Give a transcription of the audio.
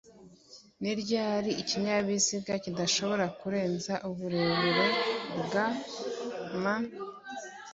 ni ryari ikinyabiziga kidashobora kurenza uburebure bw m